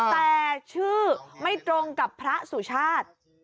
แต่ชื่อไม่ตรงกับพระสุชาติ